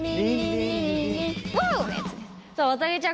さあわたげちゃん